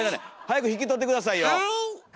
早く引き取ってくださいよ！